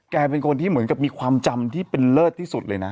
แกเป็นคนที่เหมือนกับมีความจำที่เป็นเลิศที่สุดเลยนะ